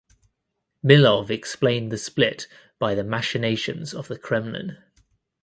Milov explained the split by the machinations of the Kremlin.